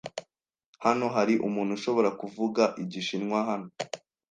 Hano hari umuntu ushobora kuvuga Igishinwa hano?